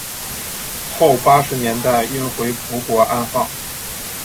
后八十年代运回葡国安放。